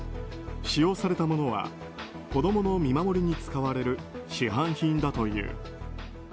使用されたものは子供の見守りに使われる市販品だという。